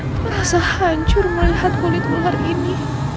merasa hancur melihat kulit ular ini